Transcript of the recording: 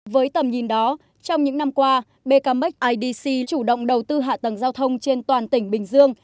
với tầm nhìn đó trong những năm qua becamec idc chủ động đầu tư hạ tầng giao thông trên toàn tỉnh bình dương